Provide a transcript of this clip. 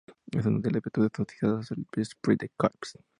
Es una de las virtudes asociadas al esprit de corps.